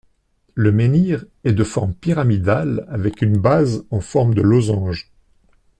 Le menhir est de forme pyramidale avec une base en forme de losange.